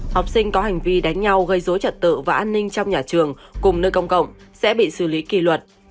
học sinh có hành vi đánh nhau gây dối trật tự và an ninh trong nhà trường cùng nơi công cộng sẽ bị xử lý kỳ luật